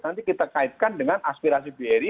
nanti kita kaitkan dengan aspirasi bri